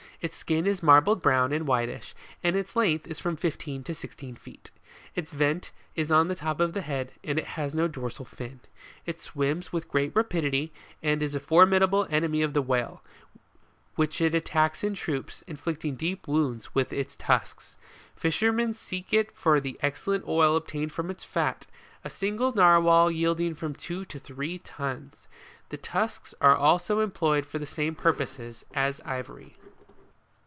Its skin is marbled brown and whitish, and its length is from fifteen to sixteen feet. Its vent is on the top of the head, and it has no dorsal fin. It swims with great rapidity, and is a formidable enemy of the whale, which it attacks in troops, inflicting deep wounds with its tusks Fisher men seek it for the excellent oil obtained from its fat, a single Narwhal yielding from two to three tons. The tusks are also employed for the same purposes as ivory.